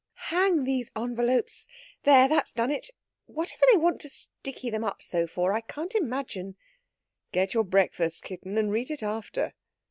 "Hang these envelopes! There, that's done it! Whatever they want to sticky them up so for I can't imagine...." "Get your breakfast, kitten, and read it after."